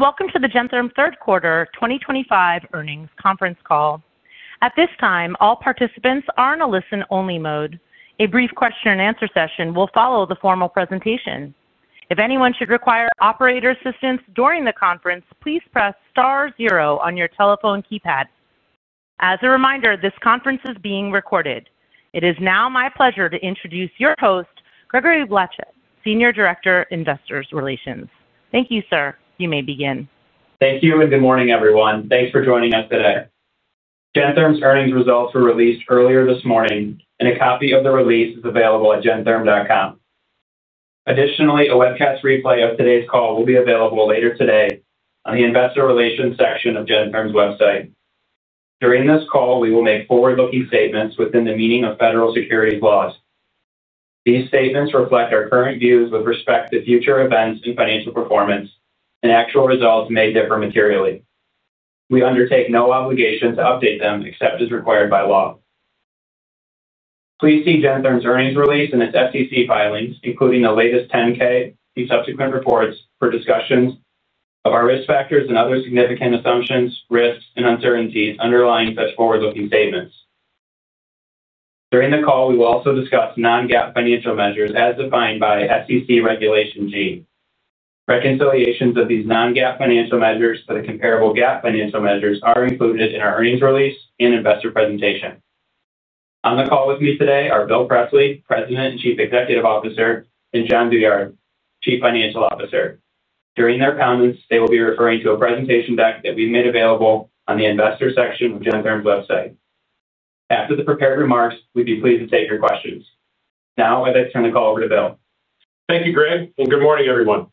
Welcome to the Gentherm Third Quarter 2025 Earnings Conference Call. At this time, all participants are in a listen-only mode. A brief question and answer session will follow the formal presentation. If anyone should require operator assistance during the conference, please press *0 on your telephone keypad. As a reminder, this conference is being recorded. It is now my pleasure to introduce your host, Gregory Blanchette, Senior Director, Investor Relations. Thank you, sir. You may begin. Thank you and good morning, everyone. Thanks for joining us today. Gentherm's earnings results were released earlier this morning, and a copy of the release is available at gentherm.com. Additionally, a webcast replay of today's call will be available later today on the Investor Relations section of Gentherm's website. During this call, we will make forward-looking statements within the meaning of federal securities laws. These statements reflect our current views with respect to future events in financial performance, and actual results may differ materially. We undertake no obligation to update them except as required by law. Please see Gentherm's earnings release and its SEC filings, including the latest 10-K, the subsequent reports for discussions of our risk factors and other significant assumptions, risks, and uncertainties underlying such forward-looking statements. During the call, we will also discuss non-GAAP financial measures as defined by SEC Regulation G. Reconciliations of these non-GAAP financial measures to the comparable GAAP financial measures are included in our earnings release and investor presentation. On the call with me today are Bill Presley, President and Chief Executive Officer, and Jon Douyard, Chief Financial Officer. During their comments, they will be referring to a presentation deck that we've made available on the Investor section of Gentherm's website. After the prepared remarks, we'd be pleased to take your questions. Now, I'd like to turn the call over to Bill. Thank you, Greg, and good morning, everyone.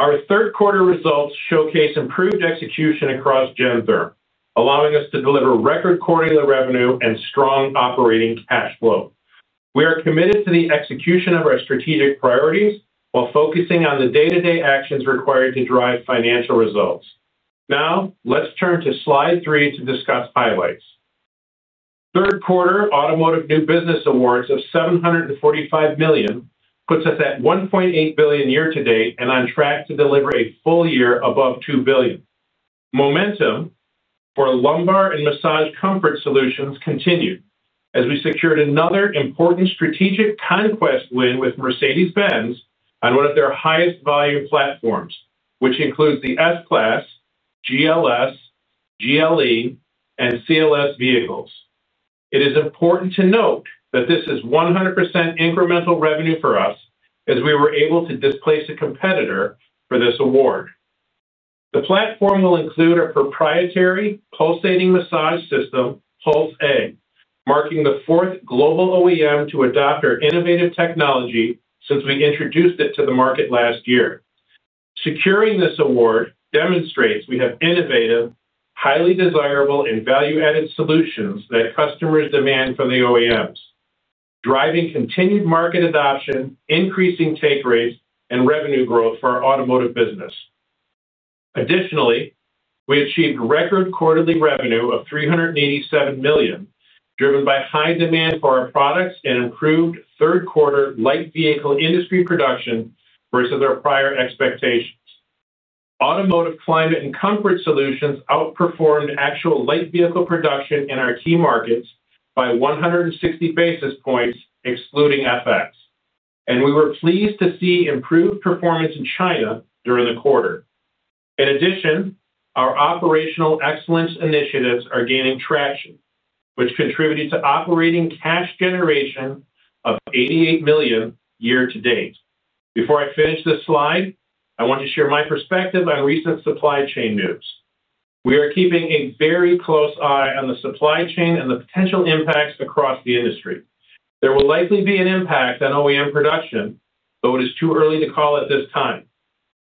Our third quarter results showcase improved execution across Gentherm, allowing us to deliver record quarterly revenue and strong operating cash flow. We are committed to the execution of our strategic priorities while focusing on the day-to-day actions required to drive financial results. Now, let's turn to slide three to discuss highlights. Third quarter automotive new business awards of $745 million puts us at $1.8 billion year-to-date and on track to deliver a full year above $2 billion. Momentum for lumbar and massage comfort solutions continued as we secured another important strategic conquest win with Mercedes-Benz on one of their highest volume platforms, which includes the S-Class, GLS, GLE, and CLS vehicles. It is important to note that this is 100% incremental revenue for us as we were able to displace a competitor for this award. The platform will include our proprietary pulsating massage system Puls.A, marking the fourth global OEM to adopt our innovative technology since we introduced it to the market last year. Securing this award demonstrates we have innovative, highly desirable, and value-added solutions that customers demand from the OEMs, driving continued market adoption, increasing take rates, and revenue growth for our automotive business. Additionally, we achieved record quarterly revenue of $387 million, driven by high demand for our products and improved third quarter light vehicle industry production versus our prior expectations. Automotive climate and comfort solutions outperformed actual light vehicle production in our key markets by 160 basis points, excluding FX, and we were pleased to see improved performance in China during the quarter. In addition, our operational excellence initiatives are gaining traction, which contributed to operating cash generation of $88 million year-to-date. Before I finish this slide, I want to share my perspective on recent supply chain news. We are keeping a very close eye on the supply chain and the potential impacts across the industry. There will likely be an impact on OEM production, though it is too early to call at this time.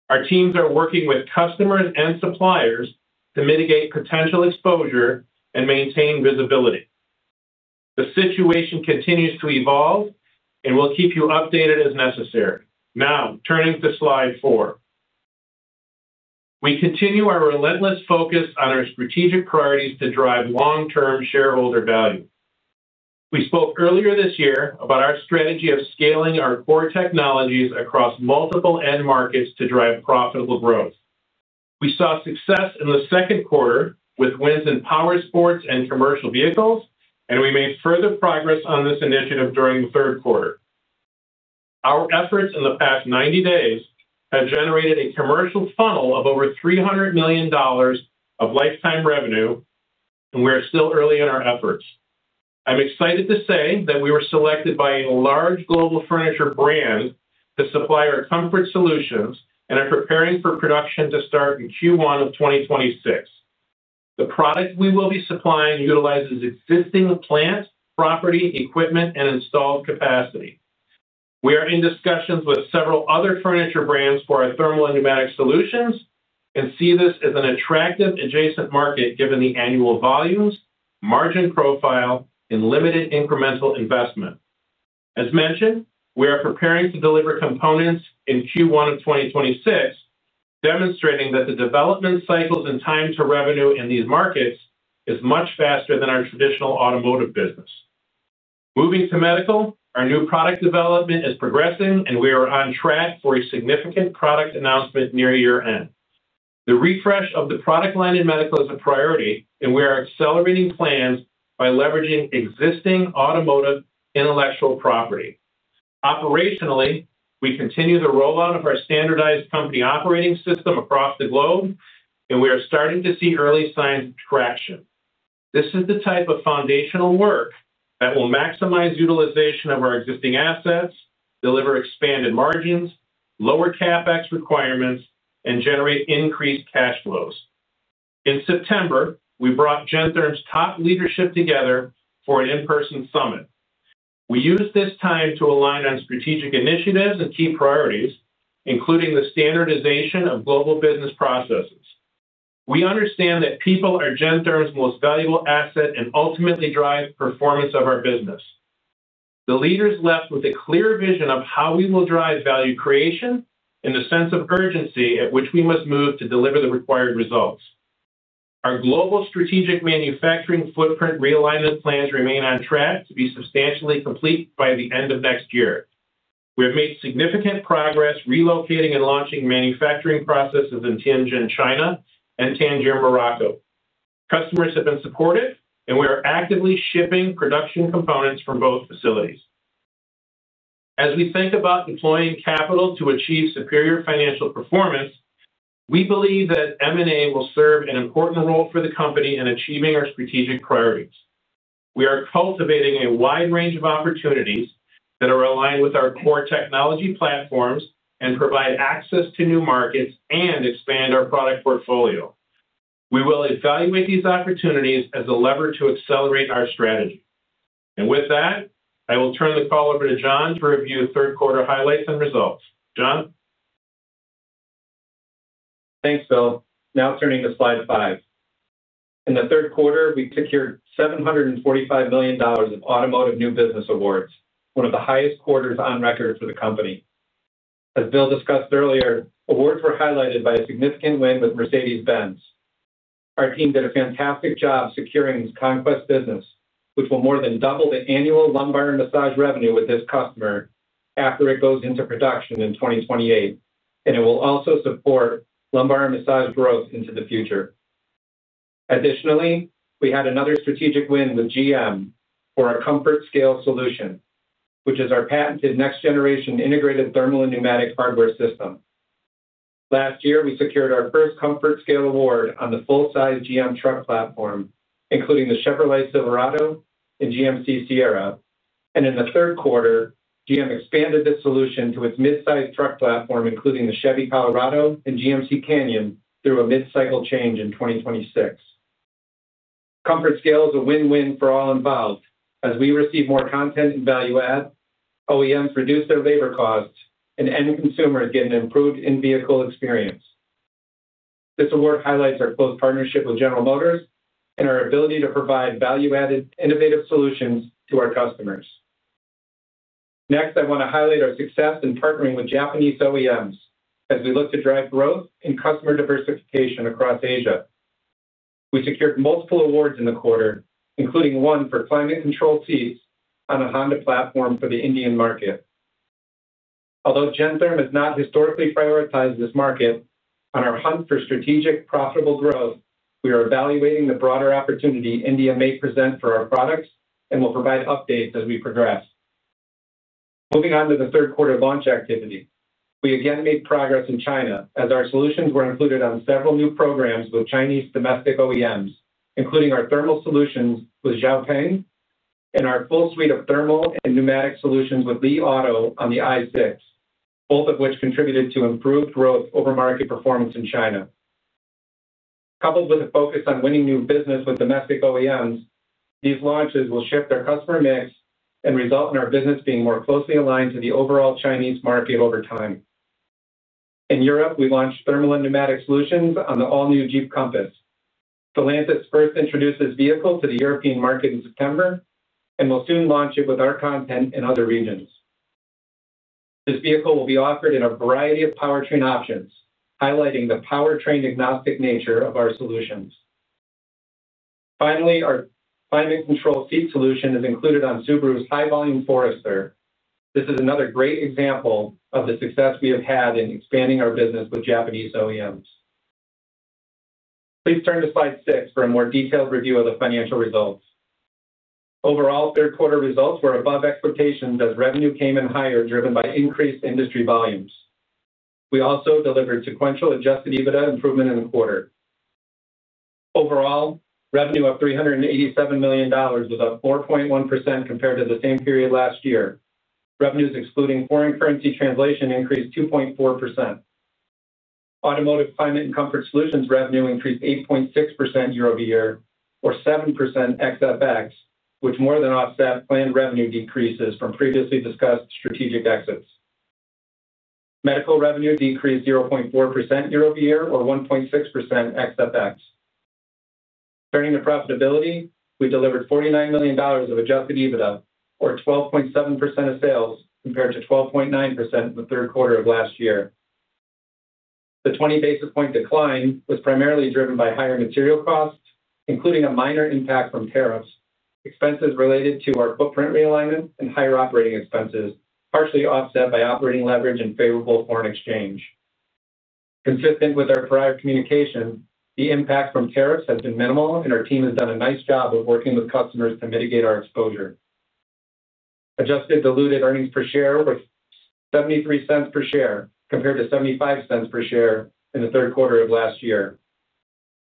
Our teams are working with customers and suppliers to mitigate potential exposure and maintain visibility. The situation continues to evolve, and we'll keep you updated as necessary. Now, turning to slide four, we continue our relentless focus on our strategic priorities to drive long-term shareholder value. We spoke earlier this year about our strategy of scaling our core technologies across multiple end markets to drive profitable growth. We saw success in the second quarter with wins in power sports and commercial vehicles, and we made further progress on this initiative during the third quarter. Our efforts in the past 90 days have generated a commercial funnel of over $300 million of lifetime revenue, and we are still early in our efforts. I'm excited to say that we were selected by a large global furniture brand to supply our comfort solutions and are preparing for production to start in Q1 of 2026. The product we will be supplying utilizes existing plant property, equipment, and installed capacity. We are in discussions with several other furniture brands for our thermal and pneumatic solutions and see this as an attractive adjacent market given the annual volumes, margin profile, and limited incremental investment. As mentioned, we are preparing to deliver components in Q1 of 2026, demonstrating that the development cycles and time to revenue in these markets are much faster than our traditional automotive business. Moving to medical, our new product development is progressing, and we are on track for a significant product announcement near year end. The refresh of the product line in medical is a priority, and we are accelerating plans by leveraging existing automotive intellectual property. Operationally, we continue the rollout of our standardized company operating system across the globe, and we are starting to see early signs of traction. This is the type of foundational work that will maximize utilization of our existing assets, deliver expanded margins, lower CapEx requirements, and generate increased cash flows. In September, we brought Gentherm's top leadership together for an in-person summit. We used this time to align on strategic initiatives and key priorities, including the standardization of global business processes. We understand that people are Gentherm's most valuable asset and ultimately drive the performance of our business. The leaders left with a clear vision of how we will drive value creation and the sense of urgency at which we must move to deliver the required results. Our global strategic manufacturing footprint realignment plans remain on track to be substantially complete by the end of next year. We have made significant progress relocating and launching manufacturing processes in Tianjin, China, and Tangier, Morocco. Customers have been supportive, and we are actively shipping production components from both facilities. As we think about deploying capital to achieve superior financial performance, we believe that M&A will serve an important role for the company in achieving our strategic priorities. We are cultivating a wide range of opportunities that are aligned with our core technology platforms and provide access to new markets and expand our product portfolio. We will evaluate these opportunities as a lever to accelerate our strategy. With that, I will turn the call over to Jon for review of third quarter highlights and results. Jon? Thanks, Bill. Now turning to slide five. In the third quarter, we secured $745 million of automotive new business awards, one of the highest quarters on record for the company. As Bill discussed earlier, awards were highlighted by a significant win with Mercedes-Benz. Our team did a fantastic job securing this conquest business, which will more than double the annual lumbar and massage revenue with this customer after it goes into production in 2028, and it will also support lumbar and massage growth into the future. Additionally, we had another strategic win with GM for our ComfortScale solution, which is our patented next-generation integrated thermal and pneumatic hardware system. Last year, we secured our first ComfortScale award on the full-size GM truck platform, including the Chevrolet Silverado and GMC Sierra, and in the third quarter, GM expanded this solution to its mid-size truck platform, including the Chevy Colorado and GMC Canyon, through a mid-cycle change in 2026. ComfortScale is a win-win for all involved as we receive more content and value add, OEMs reduce their labor costs, and end consumers get an improved in-vehicle experience. This award highlights our close partnership with General Motors and our ability to provide value-added innovative solutions to our customers. Next, I want to highlight our success in partnering with Japanese OEMs as we look to drive growth in customer diversification across Asia. We secured multiple awards in the quarter, including one for climate-controlled seats on a Honda platform for the Indian market. Although Gentherm has not historically prioritized this market, on our hunt for strategic profitable growth, we are evaluating the broader opportunity India may present for our products and will provide updates as we progress. Moving on to the third quarter launch activity, we again made progress in China as our solutions were included on several new programs with Chinese domestic OEMs, including our thermal solutions with Xiaopeng and our full suite of thermal and pneumatic solutions with Li Auto on the i6, both of which contributed to improved growth over market performance in China. Coupled with a focus on winning new business with domestic OEMs, these launches will shift our customer mix and result in our business being more closely aligned to the overall Chinese market over time. In Europe, we launched thermal and pneumatic solutions on the all-new Jeep Compass. Stellantis first introduced this vehicle to the European market in September and will soon launch it with our content in other regions. This vehicle will be offered in a variety of powertrain options, highlighting the powertrain-agnostic nature of our solutions. Finally, our climate-controlled seat solution is included on Subaru's high-volume Forester. This is another great example of the success we have had in expanding our business with Japanese OEMs. Please turn to slide six for a more detailed review of the financial results. Overall, third quarter results were above expectations as revenue came in higher, driven by increased industry volumes. We also delivered sequential adjusted EBITDA improvement in the quarter. Overall, revenue of $387 million was up 4.1% compared to the same period last year. Revenues excluding foreign currency translation increased 2.4%. Automotive climate and comfort solutions revenue increased 8.6% year-over-year, or 7% ex-FX, which more than offset planned revenue decreases from previously discussed strategic exits. Medical revenue decreased 0.4% year-over-year, or 1.6% ex-FX. Turning to profitability, we delivered $49 million of adjusted EBITDA, or 12.7% of sales compared to 12.9% in the third quarter of last year. The 20 basis point decline was primarily driven by higher material costs, including a minor impact from tariffs, expenses related to our footprint realignment, and higher operating expenses, partially offset by operating leverage and favorable foreign exchange. Consistent with our prior communication, the impact from tariffs has been minimal, and our team has done a nice job of working with customers to mitigate our exposure. Adjusted diluted earnings per share were $0.73 per share compared to $0.75 per share in the third quarter of last year.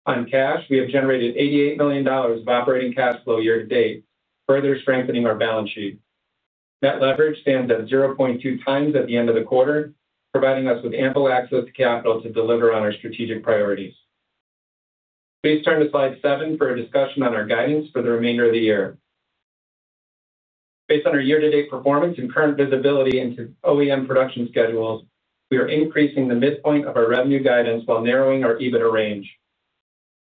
On cash, we have generated $88 million of operating cash flow year-to-date, further strengthening our balance sheet. Net leverage stands at 0.2x at the end of the quarter, providing us with ample access to capital to deliver on our strategic priorities. Please turn to slide seven for a discussion on our guidance for the remainder of the year. Based on our year-to-date performance and current visibility into OEM production schedules, we are increasing the midpoint of our revenue guidance while narrowing our EBITDA range.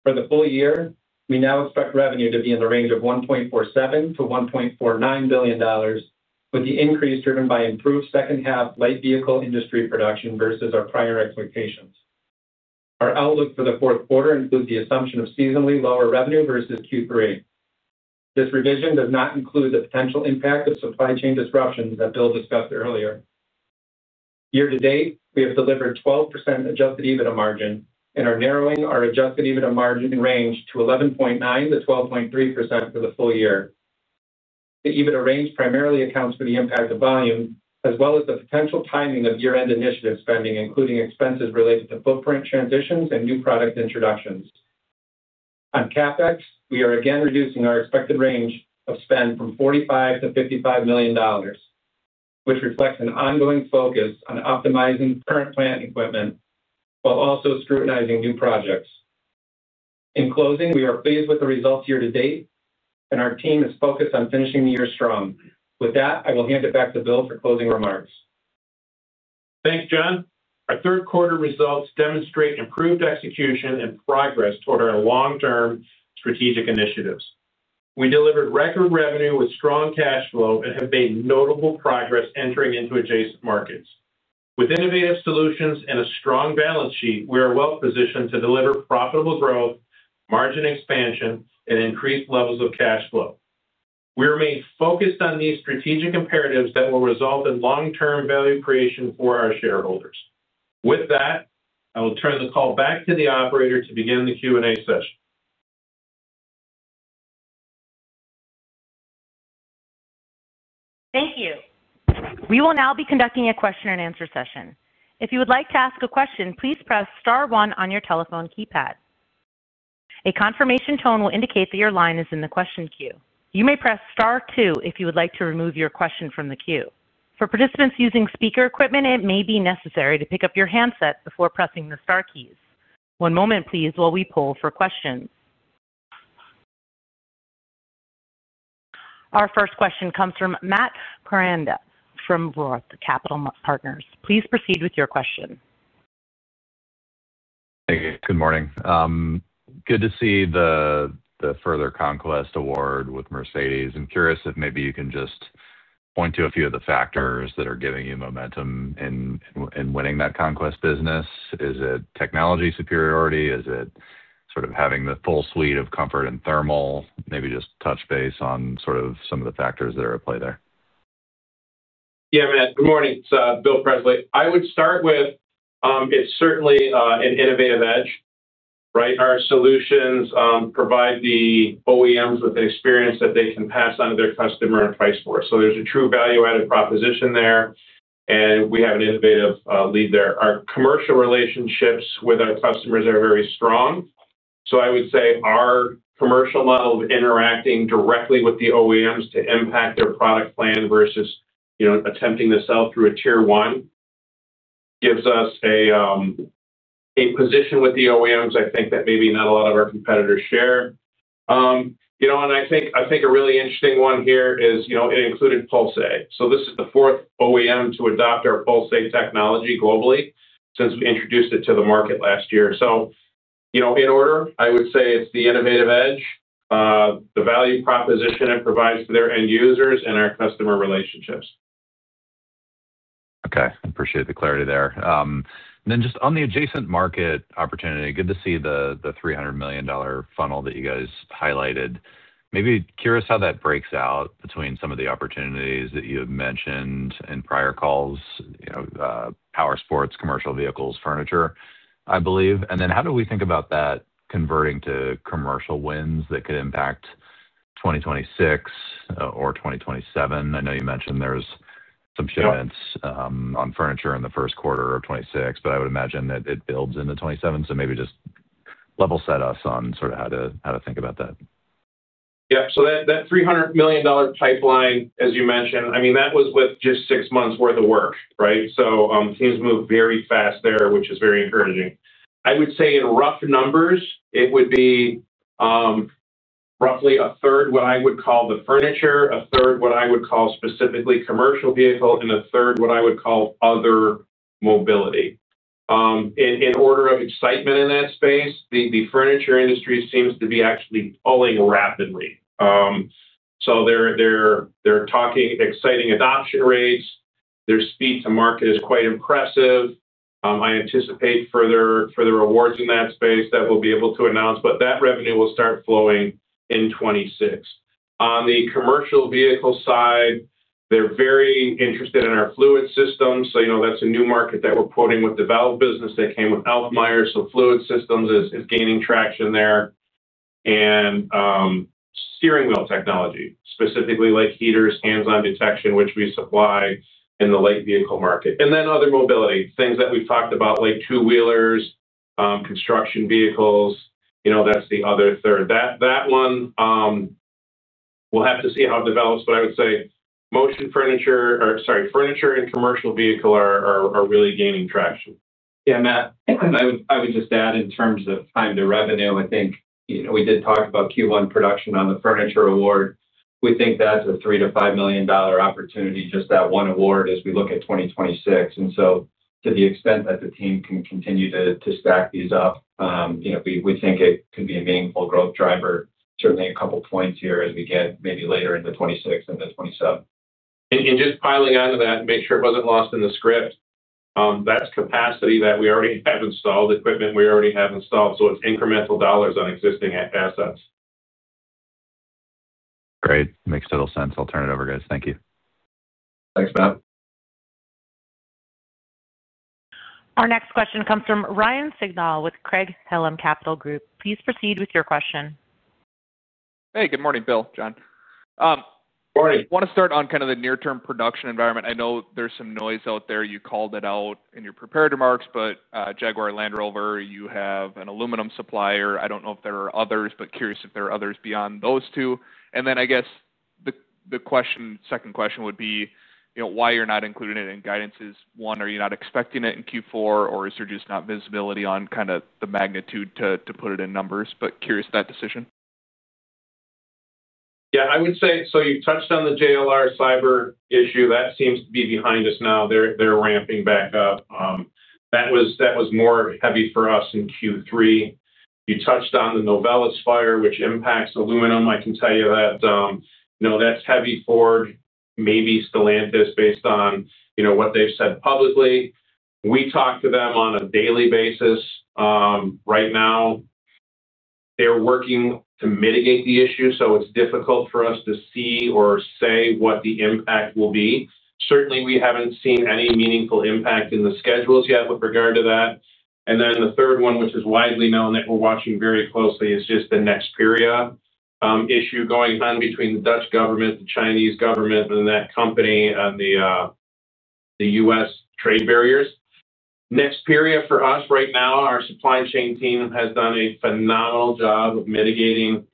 For the full year, we now expect revenue to be in the range of $1.47 billion-$1.49 billion, with the increase driven by improved second-half light vehicle industry production versus our prior expectations. Our outlook for the fourth quarter includes the assumption of seasonally lower revenue versus Q3. This revision does not include the potential impact of supply chain disruptions that Bill discussed earlier. Year-to-date, we have delivered 12% adjusted EBITDA margin, and are narrowing our adjusted EBITDA margin range to 11.9% to 12.3% for the full year. The EBITDA range primarily accounts for the impact of volume, as well as the potential timing of year-end initiative spending, including expenses related to footprint transitions and new product introductions. On CapEx, we are again reducing our expected range of spend from $45 million-$55 million, which reflects an ongoing focus on optimizing current plant equipment while also scrutinizing new projects. In closing, we are pleased with the results year-to-date, and our team is focused on finishing the year strong. With that, I will hand it back to Bill for closing remarks. Thanks, Jon. Our third quarter results demonstrate improved execution and progress toward our long-term strategic initiatives. We delivered record revenue with strong cash flow and have made notable progress entering into adjacent markets. With innovative solutions and a strong balance sheet, we are well positioned to deliver profitable growth, margin expansion, and increased levels of cash flow. We remain focused on these strategic imperatives that will result in long-term value creation for our shareholders. With that, I will turn the call back to the operator to begin the Q&A session. Thank you. We will now be conducting a question and answer session. If you would like to ask a question, please press *1 on your telephone keypad. A confirmation tone will indicate that your line is in the question queue. You may press *2 if you would like to remove your question from the queue. For participants using speaker equipment, it may be necessary to pick up your handset before pressing the * keys. One moment, please, while we pull for questions. Our first question comes from Matt Koranda from Roth Capital Partners. Please proceed with your question. Thank you. Good morning. Good to see the further strategic conquest award with Mercedes. I'm curious if maybe you can just point to a few of the factors that are giving you momentum in winning that conquest business. Is it technology superiority? Is it sort of having the full suite of comfort and thermal? Maybe just touch base on sort of some of the factors that are at play there. Good morning. It's Bill Presley. I would start with it's certainly an innovative edge, right? Our solutions provide the OEMs with an experience that they can pass on to their customer and price for. There's a true value-added proposition there, and we have an innovative lead there. Our commercial relationships with our customers are very strong. I would say our commercial model of interacting directly with the OEMs to impact their product plan versus attempting to sell through a tier one gives us a position with the OEMs, I think, that maybe not a lot of our competitors share. I think a really interesting one here is it included Puls.A. This is the fourth OEM to adopt our Puls.A technology globally since we introduced it to the market last year. In order, I would say it's the innovative edge, the value proposition it provides for their end users, and our customer relationships. Okay. Appreciate the clarity there. On the adjacent market opportunity, good to see the $300 million funnel that you guys highlighted. Maybe curious how that breaks out between some of the opportunities that you have mentioned in prior calls, you know, power sports, commercial vehicles, furniture, I believe. How do we think about that converting to commercial wins that could impact 2026 or 2027? I know you mentioned there's some shipments on furniture in the first quarter of 2026, but I would imagine that it builds into 2027. Maybe just level set us on sort of how to think about that. Yeah. So that $300 million pipeline, as you mentioned, I mean, that was with just six months' worth of work, right? Things move very fast there, which is very encouraging. I would say in rough numbers, it would be roughly a third what I would call the furniture, a third what I would call specifically commercial vehicle, and a third what I would call other mobility. In order of excitement in that space, the furniture industry seems to be actually pulling rapidly. They're talking exciting adoption rates. Their speed to market is quite impressive. I anticipate further awards in that space that we'll be able to announce, but that revenue will start flowing in 2026. On the commercial vehicle side, they're very interested in our fluid systems. That's a new market that we're quoting with the valve business that came with Alfmaier. Fluid systems is gaining traction there, and steering wheel technology, specifically like heaters, hands-on detection, which we supply in the light vehicle market. Other mobility, things that we've talked about, like two-wheelers, construction vehicles, that's the other third. That one we'll have to see how it develops, but I would say furniture and commercial vehicle are really gaining traction. Yeah, Matt. I would just add in terms of time to revenue, I think we did talk about Q1 production on the furniture award. We think that's a $3 million-$5 million opportunity, just that one award as we look at 2026. To the extent that the team can continue to stack these up, we think it could be a meaningful growth driver, certainly a couple of points here as we get maybe later into 2026 and 2027. Just piling onto that to make sure it wasn't lost in the script, that's capacity that we already have installed, equipment we already have installed. It's incremental dollars on existing assets. Great. Makes total sense. I'll turn it over, guys. Thank you. Thanks, Matt. Our next question comes from Ryan Sigdahl with Craig-Hallum Capital Group. Please proceed with your question. Hey, good morning, Bill, Jon. Morning. I want to start on kind of the near-term production environment. I know there's some noise out there. You called it out in your prepared remarks, but Jaguar Land Rover, you have an aluminum supplier. I don't know if there are others, but curious if there are others beyond those two. I guess the question, second question would be, you know, why you're not including it in guidance. Is one, are you not expecting it in Q4, or is there just not visibility on kind of the magnitude to put it in numbers? Curious about that decision. Yeah, I would say, you touched on the JLR cyber issue. That seems to be behind us now. They're ramping back up. That was more heavy for us in Q3. You touched on the Novelis fire, which impacts aluminum. I can tell you that that's heavy for maybe Stellantis based on what they've said publicly. We talk to them on a daily basis. Right now, they're working to mitigate the issue, so it's difficult for us to see or say what the impact will be. Certainly, we haven't seen any meaningful impact in the schedules yet with regard to that. The third one, which is widely known that we're watching very closely, is just the Nexperia issue going on between the Dutch government, the Chinese government, and that company, and the U.S. trade barriers. Nexperia for us right now, our supply chain team has done a phenomenal job of mitigating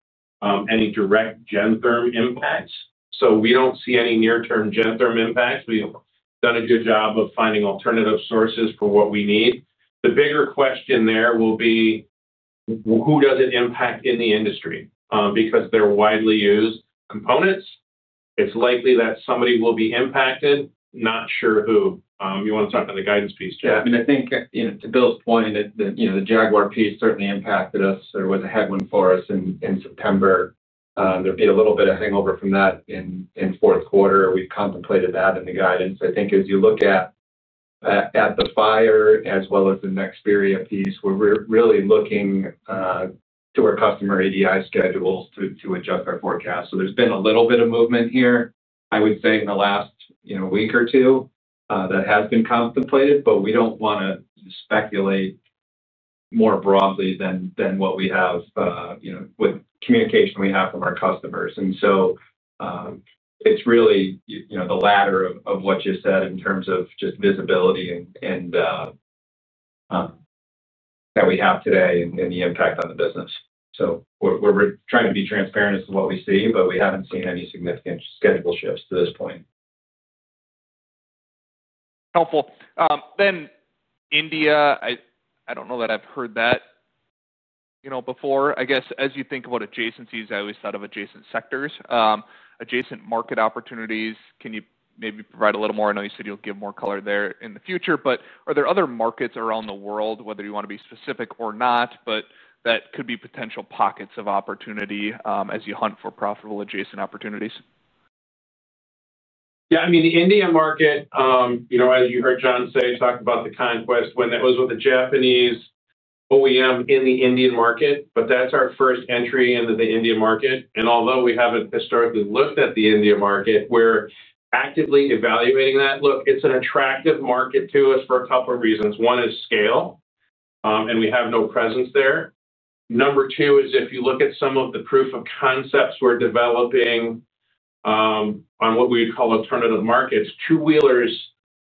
any direct Gentherm impacts. We don't see any near-term Gentherm impacts. We've done a good job of finding alternative sources for what we need. The bigger question there will be who does it impact in the industry. Because they're widely used components, it's likely that somebody will be impacted, not sure who. You want to talk about the guidance piece, Jon? Yeah, I mean, I think, to Bill's point, the Jaguar piece certainly impacted us or was a headwind for us in September. There'd be a little bit of hangover from that in fourth quarter. We've contemplated that in the guidance. I think as you look at the fire as well as the Nexperia piece, we're really looking to our customer ADI schedules to adjust our forecast. There's been a little bit of movement here, I would say, in the last week or two that has been contemplated, but we don't want to speculate more broadly than what we have with communication we have from our customers. It's really the latter of what you said in terms of just visibility that we have today and the impact on the business. We're trying to be transparent as to what we see, but we haven't seen any significant schedule shifts to this point. Helpful. India, I don't know that I've heard that before. I guess as you think about adjacencies, I always thought of adjacent sectors, adjacent market opportunities. Can you maybe provide a little more? I know you said you'll give more color there in the future, but are there other markets around the world, whether you want to be specific or not, that could be potential pockets of opportunity as you hunt for profitable adjacent opportunities? Yeah, I mean, the India market, as you heard Jon say, talk about the conquest win that was with a Japanese OEM in the Indian market, but that's our first entry into the Indian market. Although we haven't historically looked at the India market, we're actively evaluating that. It's an attractive market to us for a couple of reasons. One is scale, and we have no presence there. Number two is if you look at some of the proof of concepts we're developing on what we would call alternative markets, two-wheelers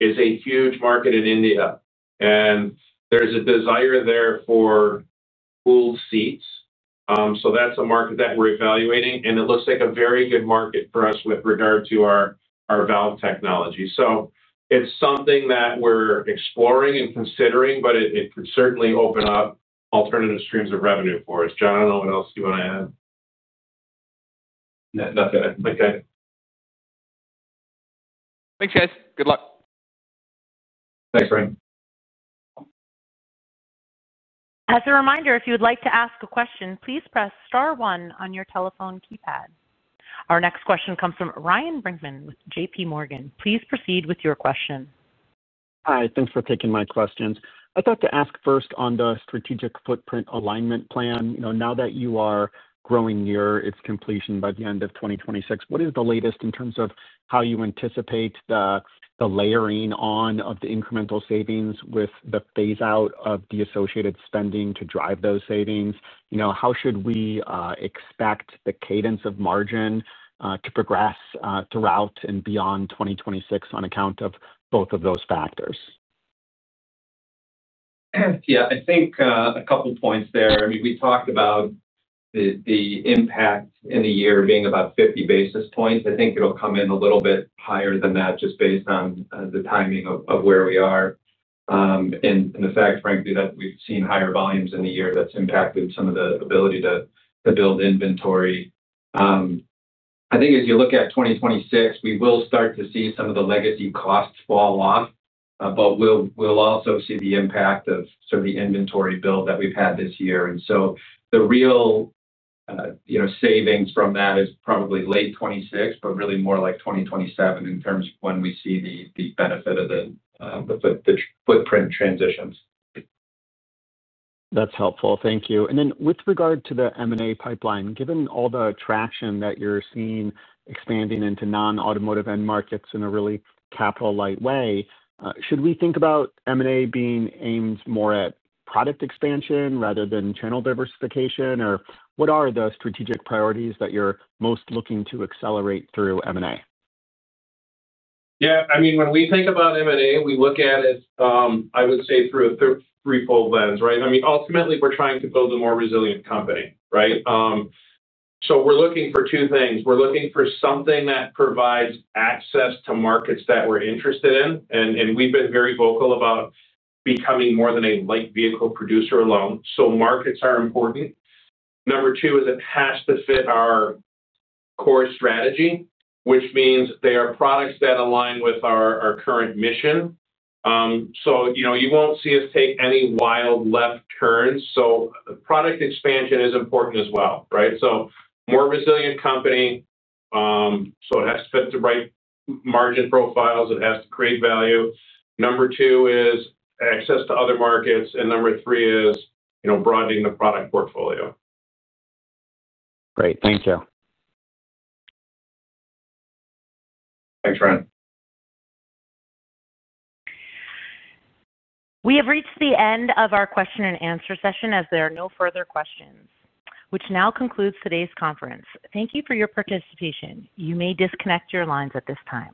is a huge market in India. There's a desire there for old seats. That's a market that we're evaluating, and it looks like a very good market for us with regard to our valve technology. It's something that we're exploring and considering, but it could certainly open up alternative streams of revenue for us. Jon, I don't know what else you want to add. No, that's it. Thanks, guys. Good luck. Thanks, Ray. As a reminder, if you would like to ask a question, please press *1 on your telephone keypad. Our next question comes from Ryan Brinkman with JPMorgan. Please proceed with your question. Hi, thanks for taking my questions. I thought to ask first on the strategic footprint alignment plan. Now that you are growing near its completion by the end of 2026, what is the latest in terms of how you anticipate the layering on of the incremental savings with the phase-out of the associated spending to drive those savings? How should we expect the cadence of margin to progress throughout and beyond 2026 on account of both of those factors? Yeah, I think a couple of points there. We talked about the impact in the year being about 50 basis points. I think it'll come in a little bit higher than that just based on the timing of where we are, and the fact, frankly, that we've seen higher volumes in the year that's impacted some of the ability to build inventory. I think as you look at 2026, we will start to see some of the legacy costs fall off, but we'll also see the impact of sort of the inventory build that we've had this year. The real savings from that is probably late 2026, but really more like 2027 in terms of when we see the benefit of the footprint transitions. That's helpful. Thank you. With regard to the M&A pipeline, given all the traction that you're seeing expanding into non-automotive end markets in a really capital-light way, should we think about M&A being aimed more at product expansion rather than channel diversification, or what are the strategic priorities that you're most looking to accelerate through M&A? Yeah, I mean, when we think about M&A, we look at it, I would say, through a threefold lens, right? Ultimately, we're trying to build a more resilient company, right? We're looking for two things. We're looking for something that provides access to markets that we're interested in. We've been very vocal about becoming more than a light vehicle producer alone. Markets are important. Number two is it has to fit our core strategy, which means they are products that align with our current mission. You won't see us take any wild left turns. Product expansion is important as well, right? More resilient company. It has to fit the right margin profiles. It has to create value. Number two is access to other markets. Number three is, you know, broadening the product portfolio. Great. Thank you. Thanks, Ryan. We have reached the end of our question and answer session as there are no further questions, which now concludes today's conference. Thank you for your participation. You may disconnect your lines at this time.